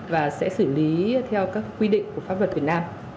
và sẽ xử lý theo các quy định của pháp luật việt nam